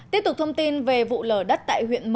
tiếp tục thông tin về vụ lở đất tại huyện mường